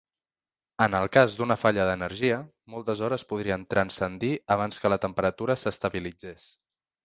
En el cas d'una falla d'energia, moltes hores podrien transcendir abans que la temperatura s'estabilitzés.